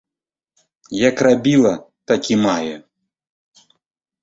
Як рабіла, так і мае!